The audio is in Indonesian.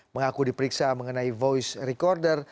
mengaku diperiksa mengenai voice recorder